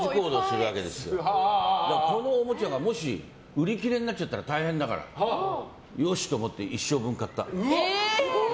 このおもちゃがもし売り切れになっちゃったら大変だからよしと思って一生分買った。